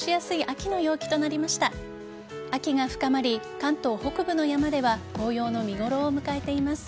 秋が深まり、関東北部の山では紅葉の見頃を迎えています。